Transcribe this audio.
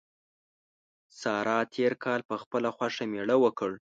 سارا تېر کال په خپله خوښه مېړه وکړ.